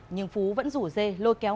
nhưng phú vẫn rủ dê lôi kéo